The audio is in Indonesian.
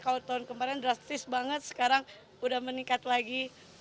kalau tahun kemarin drastis banget sekarang udah meningkat lagi